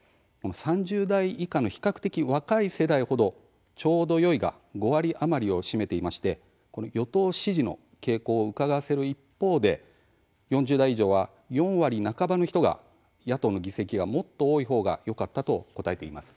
３０代以下の比較的若い世代ほどちょうどよいが５割余りを占めていまして与党支持の傾向をうかがわせる一方で４０代以上は４割半ばの人が野党の議席がもっと多いほうがよかったと答えています。